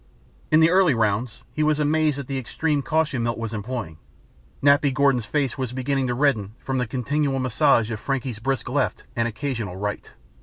_ In the early rounds he was amazed at the extreme caution Milt was employing. Nappy Gordon's face was beginning to redden from the continual massage of Frankie's brisk left and occasional right.